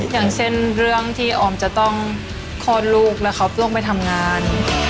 อย่างเช่นเรื่องที่ออมจะต้องคลอดลูกแล้วเขาต้องไปทำงาน